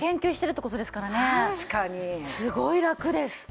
すごいラクです。